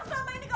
terima kasih pak